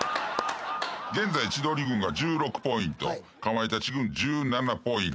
現在千鳥軍が１６ポイントかまいたち軍１７ポイント。